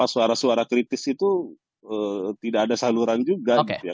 suara suara kritis itu tidak ada saluran juga gitu ya